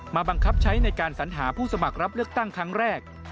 บังคับใช้ในการสัญหาผู้สมัครรับเลือกตั้งครั้งแรก